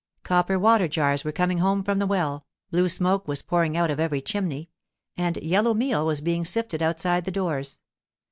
Copper water jars were coming home from the well, blue smoke was pouring out of every chimney, and yellow meal was being sifted outside the doors.